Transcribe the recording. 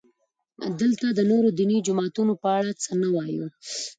دلته د نورو دیني جماعتونو په اړه څه نه وایو.